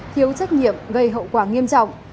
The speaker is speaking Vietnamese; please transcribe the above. thiếu trách nhiệm gây hậu quả nghiêm trọng